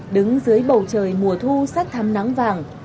đứng dưới bầu trời mùa thu sát thăm nắng vàng